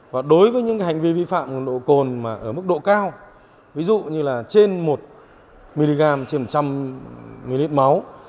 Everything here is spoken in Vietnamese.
và đối với những hành vi vi phạm nồng độ cồn mà ở mức độ cao ví dụ như là trên một mg trên một trăm linh ml máu